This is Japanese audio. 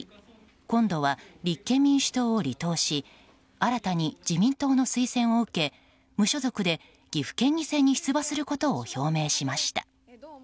今度は、立憲民主党を離党し新たに自民党の推薦を受け無所属で岐阜県議選に出馬することを表明しました。